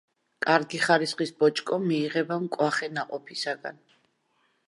კარგი ხარისხის ბოჭკო მიიღება მკვახე ნაყოფისაგან.